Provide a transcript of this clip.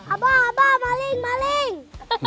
abah abah maling maling